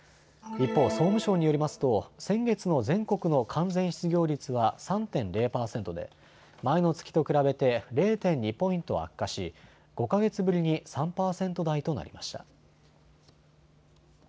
一方、総務省によりますと先月の全国の完全失業率は３．０％で前の月と比べて０．２ポイント悪化し５か月ぶりに３％台となりました。